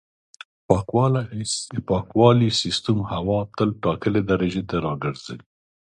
پاکوالي سیستم هوا تل ټاکلې درجې ته راګرځوي.